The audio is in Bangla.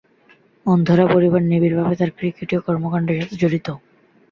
মন্ধনা’র পরিবার নিবিড়ভাবে তার ক্রিকেটীয় কর্মকাণ্ডের সাথে জড়িত।